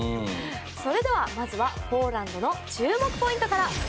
それでは、まずはポーランドの注目ポイントから。